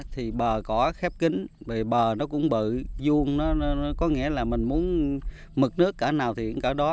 thì bờ cỏ khép kính bờ nó cũng bự vuông nó có nghĩa là mình muốn mực nước cả nào thì cả đó